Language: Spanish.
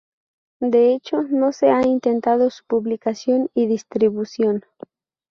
De hecho, no se ha intentado su publicación y distribución.